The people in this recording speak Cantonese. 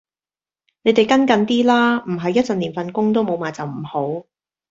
你地跟緊啲啦，唔係一陣連份工都冇埋就唔好